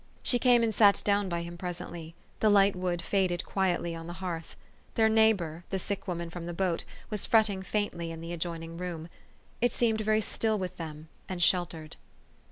She came and sat down by him presently; the light wood faded quietly on the hearth. Their neigh bor, the sick woman from the boat, was fretting faintly in the adjoining room. It seemed very still with them, and sheltered.